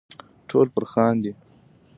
ټول پر خاندي .